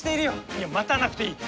いや待たなくていい。